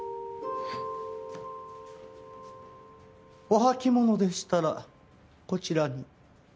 お履き物でしたらこちらに。